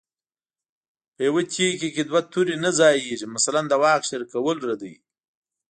په یوه تیکي کې دوه تورې نه ځاییږي متل د واک شریکول ردوي